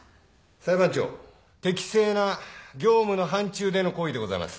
裁判長適正な業務の範ちゅうでの行為でございます。